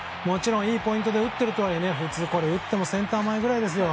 いいポイントで打っているとはいえ普通これを打ってもセンター前ぐらいですよ。